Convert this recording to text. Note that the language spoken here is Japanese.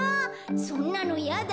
そんなのやだよ。